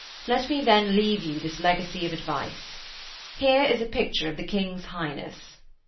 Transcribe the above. Let me then leave you this legacy of advice.... Here is a picture of the King's Highness.'